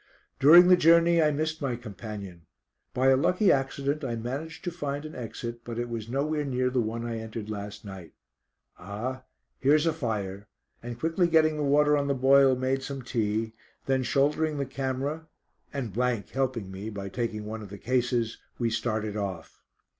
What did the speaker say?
During the journey I missed my companion. By a lucky accident I managed to find an exit, but it was nowhere near the one I entered last night. Ah, here's a fire, and quickly getting the water on the boil, made some tea; then shouldering the camera, and helping me, by taking one of the cases, we started off.